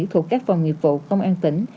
thuộc các phòng nghiệp vụ công an tỉnh